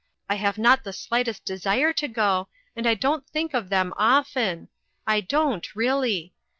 I have not the slightest desire to go, and I don't think of them often ; I don't, really.